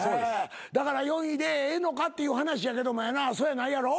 だから４位でええのかっていう話やけどもやなそうやないやろ？